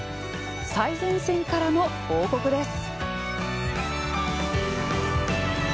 最前線からの報告です。